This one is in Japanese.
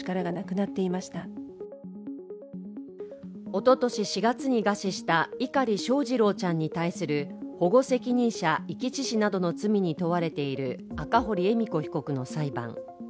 おととし４月に餓死した碇翔士郎ちゃんに対する保護責任者遺棄致死などの罪に問われている赤堀恵美子被告の裁判。